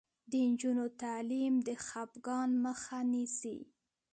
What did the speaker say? د نجونو تعلیم د خپګان مخه نیسي.